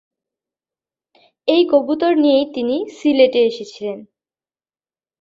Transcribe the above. এই কবুতর নিয়েই তিনি সিলেটে এসেছিলেন।